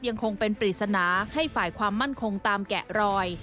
ยังคงเป็นปริศนาให้ฝ่ายความมั่นคงตามแกะรอย